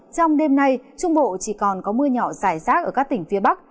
trong đêm nay trung bộ chỉ còn có mưa nhỏ dài rác ở các tỉnh phía bắc